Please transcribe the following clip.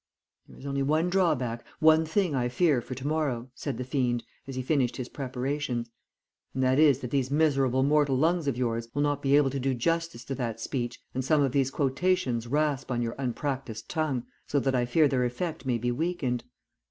"'There is only one drawback, one thing I fear for to morrow,' said the fiend, as he finished his preparations, 'and that is that these miserable mortal lungs of yours will not be able to do justice to that speech, and some of these quotations rasp on your unpractised tongue, so that I fear their effect may be weakened.